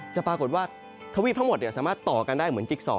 ปรากฏว่าทวีปทั้งหมดสามารถต่อกันได้เหมือนจิก๒